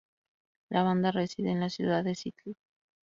La banda reside en la ciudad de Seattle.